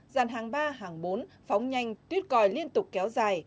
dàn hàng ba hàng bốn phóng nhanh tuyết còi liên tục kéo dài